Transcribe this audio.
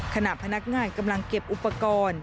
ขณะพนักงานกำลังเก็บอุปกรณ์